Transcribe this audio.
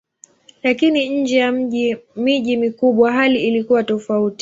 Lakini nje ya miji mikubwa hali ilikuwa tofauti.